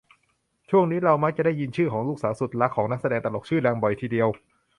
ช่วงนี้เรามักจะได้ยินชื่อของ ลูกสาวสุดรักของ นักแสดงตลกชื่อดัง บ่อยทีเดียว